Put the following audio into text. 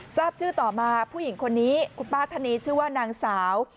ทราบชื่อต่อมาผู้หญิงคนนี้คุณป้าท่านนี้ชื่อว่านางสาว